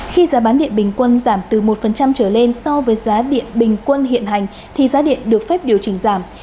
khi giá bán điện bình quân giảm từ một trở lên so với giá điện bình quân hiện hành thì giá điện được phép điều chỉnh giảm